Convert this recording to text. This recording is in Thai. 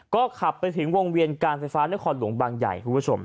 ก็ขับไปถึงวงเวียนการไฟฟ้านครหลวงบางใหญ่